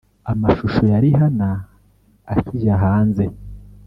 Amashusho ya ‘Rihanna’ akijya hanze